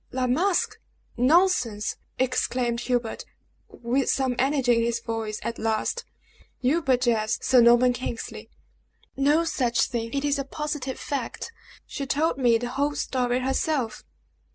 "La Masque! Nonsense!" exclaimed Hubert, with some energy in his voice at last. "You but jest, Sir Norman Kingsley!" "No such thing! It is a positive fact! She told me the whole story herself!"